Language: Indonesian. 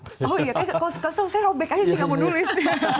oh iya kalau kesel saya robek aja sih gak mau nulis